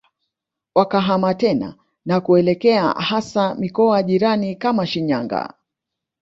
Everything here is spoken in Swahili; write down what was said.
wakahama tena na kuelekea hasa mikoa jirani kama Shinyanga